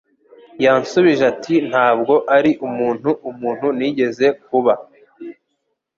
Yansubije ati Ntabwo ari umuntu umuntu nigeze kuba